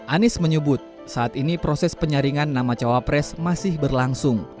anies menyebut saat ini proses penyaringan nama cawapres masih berlangsung